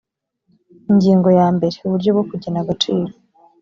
ingingo ya mbere uburyo bwo kugena agaciro